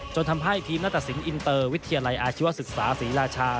จนทำให้ทีมนัตตสินอินเตอร์วิทยาลัยอาชีวศึกษาศรีราชา